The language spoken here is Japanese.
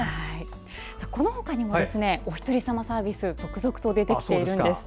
このほかにもおひとりさまサービス続々と出てきています。